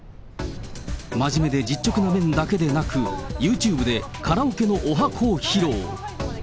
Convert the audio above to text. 真面目で実直な面だけでなく、ユーチューブでカラオケの十八番